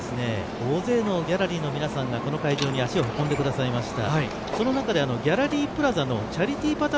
大勢のギャラリーの皆さんがこの会場に足を運んでくださいました。